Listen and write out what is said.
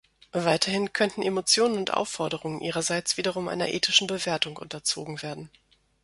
Weiterhin könnten Emotionen und Aufforderungen ihrerseits wiederum einer ethischen Bewertung unterzogen werden.